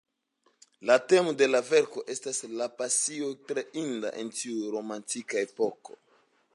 La temo de la verko estas la pasioj, tre inda en tiu romantika epoko.